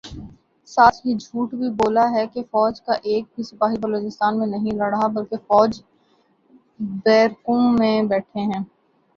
ساتھ یہ جھوٹ بھی بولا ہے کہ فوج کا ایک بھی سپاہی بلوچستان میں نہیں لڑ رہا بلکہ فوجی بیرکوں میں بیٹھے ہیں